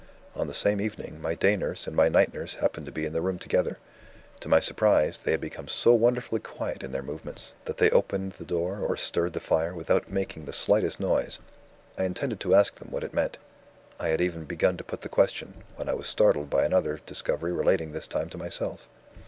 On the same evening, my day nurse and my night nurse happened to be in the room together. To my surprise, they had become so wonderfully quiet in their movements, that they opened the door or stirred the fire, without making the slightest noise. I intended to ask them what it meant; I had even begun to put the question, when I was startled by another discovery relating this time to myself.